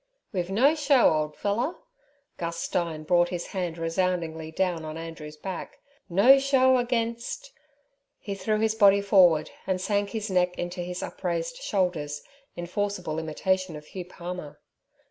'We've no show, old feller'—Gus Stein brought his hand resoundingly down on Andrew's back—'no show against—' He threw his body forward, and sank his neck into his upraised shoulders, in forcible imitation of Hugh Palmer.